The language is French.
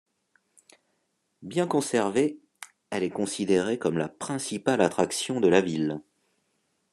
Bien conservée, elle est considérée comme la principale attraction de la ville.